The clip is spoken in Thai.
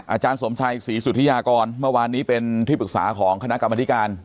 อาจารย์สมชัยศรีสุธิยากรเมื่อวานนี้เป็นที่ปรึกษาของคณะกรรมธิการ